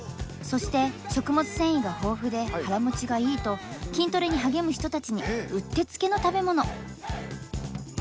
そして食物繊維が豊富で腹もちがいいと筋トレに励む人たちにうってつけの食べ物。